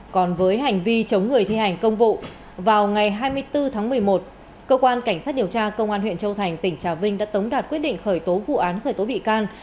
còn với hành vi chống người thi hành công vụ vào ngày hai mươi bốn tháng một mươi một cơ quan cảnh sát điều tra công an huyện châu thành tỉnh trà vinh đã tống đạt quyết định khởi tố vụ án khởi tố bị can